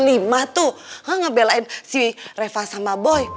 nggak ngebelain si reva sama boy